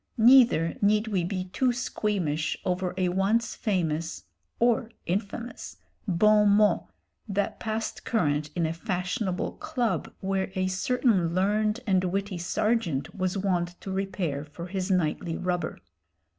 Neither need we be too squeamish over a once famous (or infamous) bon mot that passed current in a fashionable club where a certain learned and witty serjeant was wont to repair for his nightly rubber.